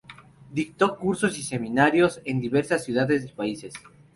Dictó cursos y seminarios en diversas ciudades y países.